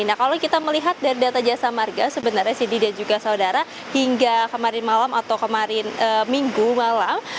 nah kalau kita melihat dari data jasa marga sebenarnya sidi dan juga saudara hingga kemarin malam atau kemarin minggu malam